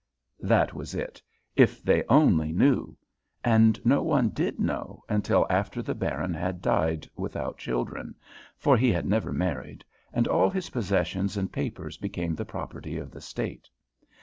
That was it! If they only knew! And no one did know until after the Baron had died without children for he had never married and all his possessions and papers became the property of the state.